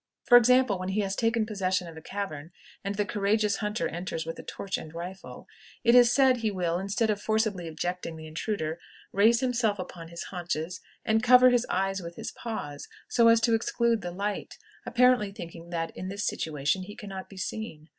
For example, when he has taken possession of a cavern, and the courageous hunter enters with a torch and rifle, it is said he will, instead of forcibly ejecting the intruder, raise himself upon his haunches and cover his eyes with his paws, so as to exclude the light, apparently thinking that in this situation he can not be seen.